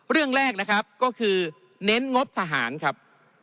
เรื่องแรกนะครับก็คือเน้นงบทหารครับ